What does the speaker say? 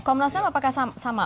komnasial apakah sama